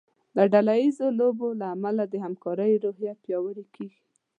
د ډله ییزو لوبو له امله د همکارۍ روحیه پیاوړې کیږي.